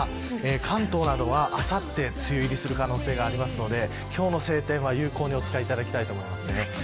関東などは、あさって梅雨入りする可能性がありますので今日の晴天は有効にお使いいただきたいと思います。